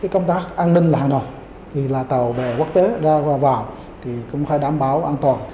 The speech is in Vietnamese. công tác an ninh là hàng đầu tàu bẻ quốc tế ra và vào cũng phải đảm bảo an toàn